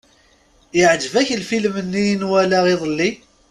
Iɛǧeb-ak lfilm-nni i nwala iḍelli.